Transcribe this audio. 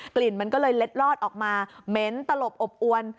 กลิ่นมันก็เลยเล็ดลอดออกมาเหม็นตลบอบอวน